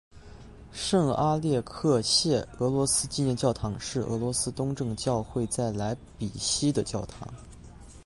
圣阿列克谢俄罗斯纪念教堂是俄罗斯东正教会在莱比锡的教堂。